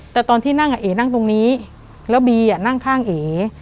แต่ตอนที่นั่งอ่ะเอ๋นั่งตรงนี้แล้วบีนั่งข้างเอ